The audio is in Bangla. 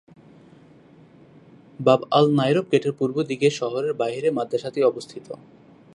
বাব আল-নায়রব গেটের পূর্ব দিকে শহরের বাইরে মাদ্রাসাটি অবস্থিত।